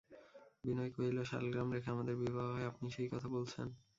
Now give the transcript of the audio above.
বিনয় কহিল, শালগ্রাম রেখে আমাদের বিবাহ হয়, আপনি সেই কথা বলছেন?